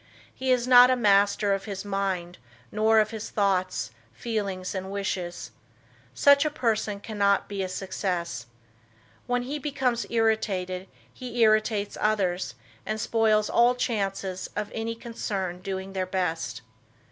He is not a master of his mind, nor of his thoughts, feelings and wishes. Such a person cannot be a success. When he becomes irritated, he irritates others and spoils all chances of any concerned doing their best.